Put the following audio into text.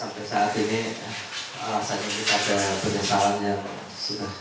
ketika saatnya sudah terjadi